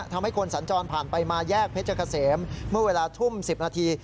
ทำให้คนสัญจรผ่านไปมาแยกเพชรเกษมเมื่อเวลาทุ่ม๑๐นาที